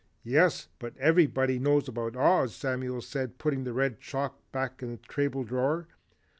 "Yes, but everybody knows about Oz," Samuel said putting the red chalk back in the table drawer.